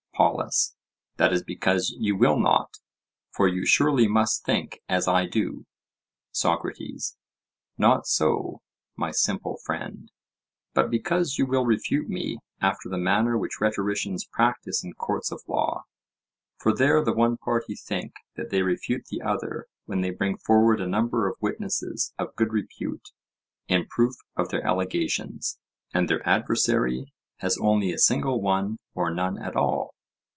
POLUS: That is because you will not; for you surely must think as I do. SOCRATES: Not so, my simple friend, but because you will refute me after the manner which rhetoricians practise in courts of law. For there the one party think that they refute the other when they bring forward a number of witnesses of good repute in proof of their allegations, and their adversary has only a single one or none at all.